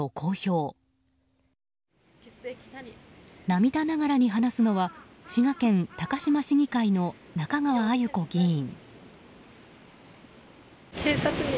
涙ながらに話すのは滋賀県高島市議会の中川あゆこ議員。